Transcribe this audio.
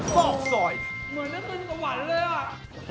เหมือนกันกับหวานเลยอ่ะ